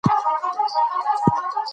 ځینې کسان پر ده ناسمې نیوکې کوي.